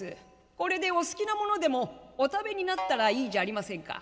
これでお好きなものでもお食べになったらいいじゃありませんか」。